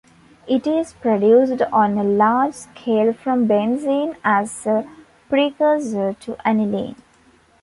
It is produced on a large scale from benzene as a precursor to aniline.